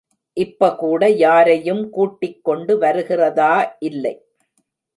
இப்ப கூட யாரையும் கூட்டிக் கொண்டு வருகிறதா இல்லை.